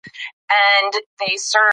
هغه چاغ سړي په سکروټو غوښې پخولې.